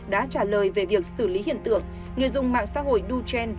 đã trả lời về việc xử lý hiện tượng người dùng mạng xã hội đu trend